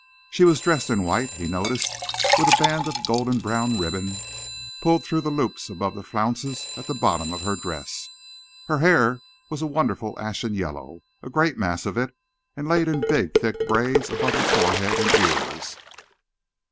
She was dressed in white, he noticed, with a band of golden brown ribbon pulled through the loops above the flounces at the bottom of her dress. Her hair was a wonderful ashen yellow, a great mass of it and laid in big, thick braids above her forehead and ears.